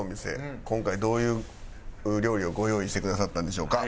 今回どういう料理をご用意してくださったんでしょうか？